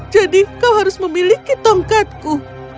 jadi kau harus memiliki tongkatku